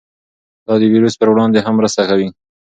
دا د ویروس پر وړاندې هم مرسته کوي.